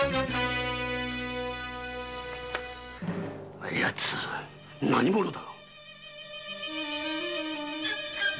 あやつ何者だ